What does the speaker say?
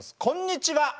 こんにちは！